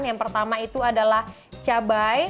yang pertama itu adalah cabai